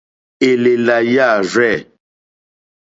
Élèlà yârzɛ̂.